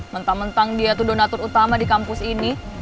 mentang mentang dia itu donatur utama di kampus ini